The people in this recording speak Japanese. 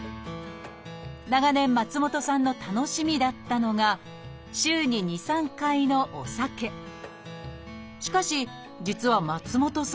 長年松本さんの楽しみだったのがしかし実は松本さん